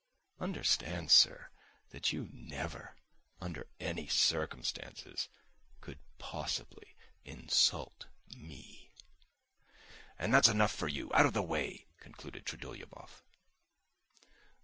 _ Understand, sir, that you never, under any circumstances, could possibly insult me." "And that's enough for you. Out of the way!" concluded Trudolyubov.